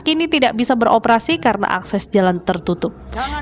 kini tidak bisa beroperasi karena akses jalan tertutup